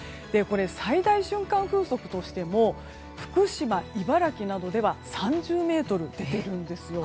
最大瞬間風速としても福島、茨城などでは３０メートルなんですよ。